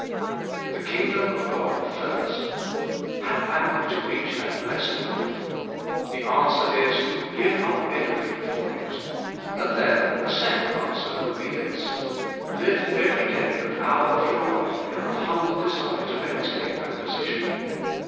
"The Kingdom of God first!" How am I to reach that blessed life? The answer is: "Give up everything for it." And then a second answer would be this: Live every day and hour of yoxxx life in the humble desire to maintain that position.